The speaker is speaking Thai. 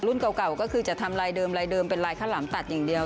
รุ่นเก่าก็คือจะทำรายเดิมเป็นรายข้าวหล่ำตัดอย่างเดียว